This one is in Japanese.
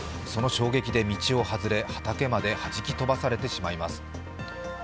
その衝撃で道を外れ畑まではじき飛ばされてしまいます。